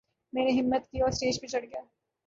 میں نے ہمت کی اور سٹیج پر چڑھ گیا